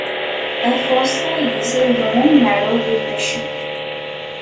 A fossa is a long, narrow depression.